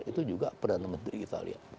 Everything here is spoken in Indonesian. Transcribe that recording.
itu juga perdana menteri italia